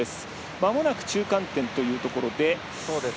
まもなく中間点というところです。